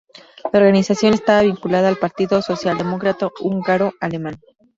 La organización estaba vinculada al Partido Socialdemócrata Húngaro-Alemán.